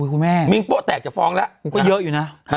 คุณแม่มิ้งโป๊แตกจะฟ้องแล้วมันก็เยอะอยู่นะ